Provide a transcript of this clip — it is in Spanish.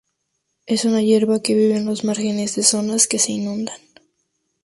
Es una hierba que vive en los márgenes de zonas que se inundan.